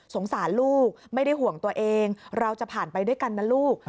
สารลูกไม่ได้ห่วงตัวเองเราจะผ่านไปด้วยกันนะลูก